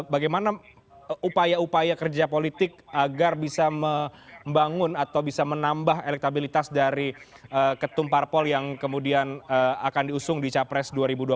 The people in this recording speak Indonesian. bagaimana upaya upaya kerja politik agar bisa membangun atau bisa menambah elektabilitas dari ketum parpol yang kemudian akan diusung di capres dua ribu dua puluh empat